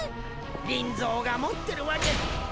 リンゾーが持ってるわけ。